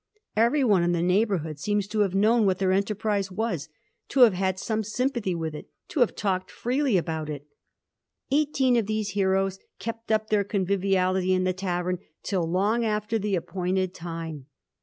Everyone in the neighbourhood seems to have known what their enterprise was, to have had some sympathy with it, to have talked freely about it. Eighteen of these heroes kept up their conviviality in the tavern till long after the ap pointed time.